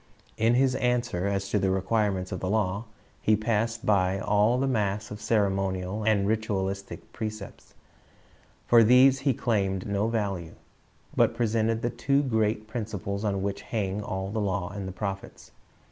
In his answer as to the requirements of the law, he passed by all the mass of ceremonial and ritualistic precepts. For these he claimed no value, but presented the two great principles on which hang all the law and the prophets.